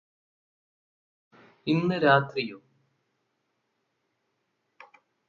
ഇന്ന് രാത്രിയോ